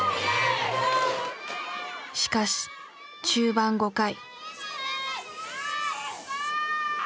しかし中盤５回。